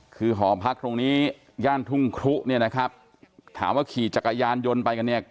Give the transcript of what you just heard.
คือหอพักตรงนี้ย่านทุ่งครุเนี่ยนะครับถามว่าขี่จักรยานยนต์ไปกันเนี่ย